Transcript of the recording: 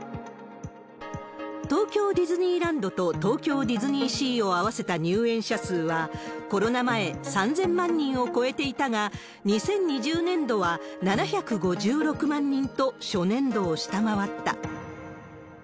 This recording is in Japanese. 東京ディズニーランドと東京ディズニーシーを合わせた入園者数は、コロナ前、３０００万人を超えていたが、２０２０年度は７５６万人と、初年度を下回った。